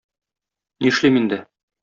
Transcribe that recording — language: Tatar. Нишлим инде?